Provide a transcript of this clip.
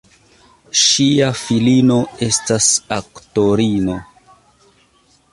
Ŝia filino estas aktorino.